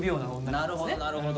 なるほどなるほど。